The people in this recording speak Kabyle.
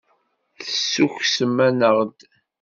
Tessukksem-aneɣ-d.